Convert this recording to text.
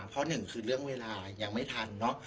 ข้อหนึ่งคือเรื่องเวลายังไม่ทันเนาะ